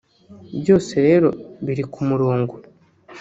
Byose rero biri ku murongo